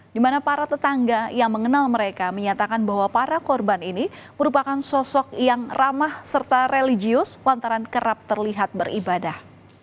di mana para tetangga yang mengenal mereka menyatakan bahwa para korban ini merupakan sosok yang ramah serta religius lantaran kerap terlihat beribadah